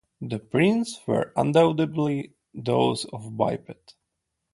The prints were undoubtedly those of a biped.